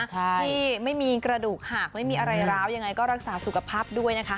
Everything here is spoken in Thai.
ที่ไม่มีกระดูกหากไม่มีอะไรร้าวยังไงก็รักษาสุขภาพด้วยนะคะ